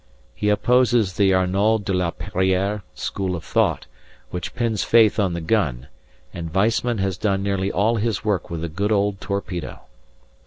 He opposes the Arnauld de la Perrière school of thought, which pins faith on the gun, and Weissman has done nearly all his work with the good old torpedo.